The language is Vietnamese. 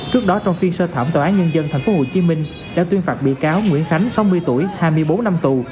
trước đó trong phiên sơ thẩm tòa án nhân dân tp hcm đã tuyên phạt bị cáo nguyễn khánh sáu mươi tuổi hai mươi bốn năm tù